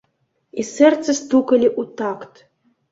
І сэрцы стукалі ў такт.